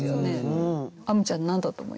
あむちゃん何だと思います？